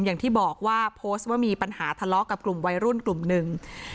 อย่างที่บอกว่าโพสต์ว่ามีปัญหาทะเลาะกับกลุ่มวัยรุ่นกลุ่มหนึ่ง